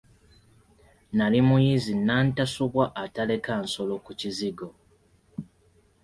Nali muyizzi nnantasubwa ataleka nsolo ku kizigo.